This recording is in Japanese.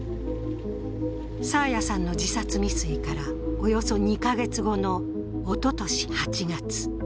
爽彩さんの自殺未遂からおよそ２カ月後のおととし８月。